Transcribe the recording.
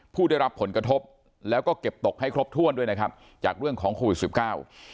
ผู้ได้รับผลกระทบแล้วก็เก็บตกให้ครบถ้วนด้วยนะครับจากเรื่องของโควิดสิบเก้า